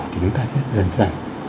thì chúng ta sẽ dần dần